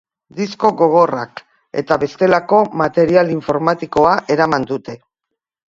Disko gogorrak eta bestelako material informatikoa eraman dute.